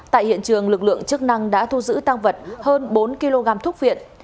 tại hiện trường lực lượng chức năng đã thu giữ tăng vật hơn bốn kg thuốc viện